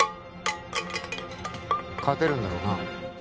勝てるんだろうな？